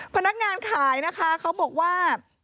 พนักงานขายนะคะเขาบอกว่า